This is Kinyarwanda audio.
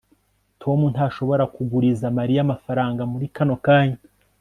tom ntashobora kuguriza mariya amafaranga muri kano kanya